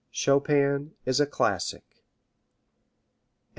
Chopin is a classic. VII.